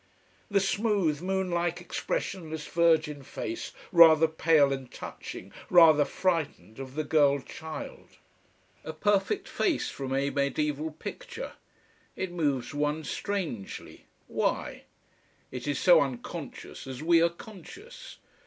The smooth, moon like, expressionless virgin face, rather pale and touching, rather frightened, of the girl child. A perfect face from a mediaeval picture. It moves one strangely. Why? It is so unconscious, as we are conscious.